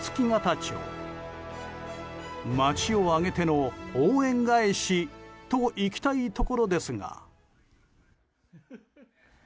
町を挙げての応援返しといきたいところですが。